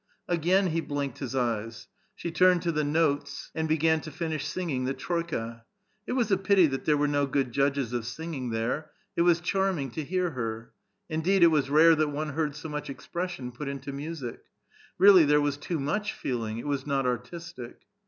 Again he blinked his eves. She turned to the notes ana began to finish singing the "Troika." It was a pity that tliere were no good judges of singing there ; it was charming to hear her ; indeed, it was rare tliat one heard so much ex pression put into music. Really, there was too much feeling ; it was not artistic.